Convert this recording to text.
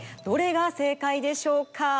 どれが正解でしょうか？